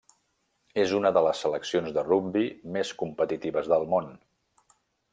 És una de les seleccions de rugbi més competitives del món.